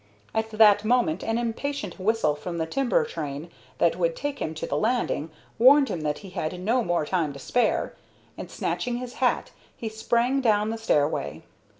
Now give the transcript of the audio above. At that moment an impatient whistle from the timber train that would take him to the landing warned him that he had no more time to spare, and, snatching his hat, he sprang down the stairway.